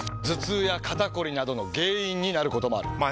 頭痛や肩こりなどの原因になることもある。